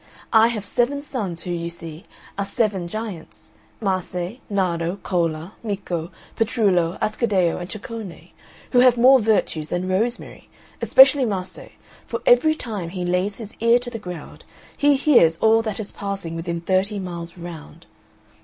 I have seven sons who, you see, are seven giants, Mase, Nardo, Cola, Micco, Petrullo, Ascaddeo, and Ceccone, who have more virtues that rosemary, especially Mase, for every time he lays his ear to the ground he hears all that is passing within thirty miles round.